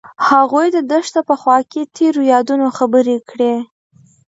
هغوی د دښته په خوا کې تیرو یادونو خبرې کړې.